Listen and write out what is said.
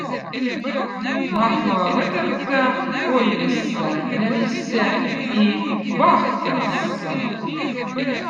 Mahla võtõta koivussõ, välissä i vaahtõrõssõ.